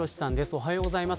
おはようございます。